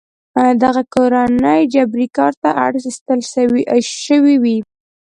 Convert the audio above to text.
دغه کورنۍ جبري کار ته اړ ایستل شوې وې.